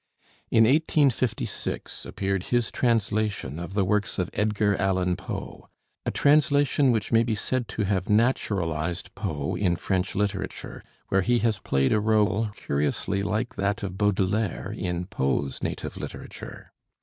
In 1856 appeared his translation of the works of Edgar Allan Poe; a translation which may be said to have naturalized Poe in French literature, where he has played a role curiously like that of Baudelaire in Poe's native literature.